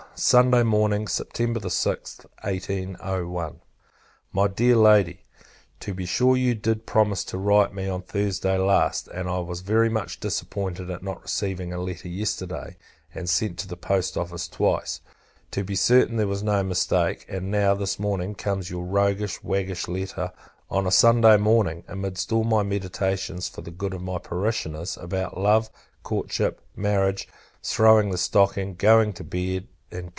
Sunday Morning, Sept. 6th, [1801.] My Dear Lady, To be sure, you did promise to write to me on Thursday last; and I was very much disappointed at not receiving a letter yesterday, and sent to the Post Office twice, to be certain there was no mistake: and, now, this morning, comes your roguish, waggish letter, on a Sunday morning, (amidst all my meditations for the good of my parishioners) about love, courtship, marriage, throwing the stocking, going to bed, &c.